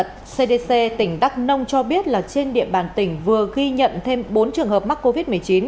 trung tâm kiểm soát bệnh tật cdc tỉnh đắk nông cho biết là trên địa bàn tỉnh vừa ghi nhận thêm bốn trường hợp mắc covid một mươi chín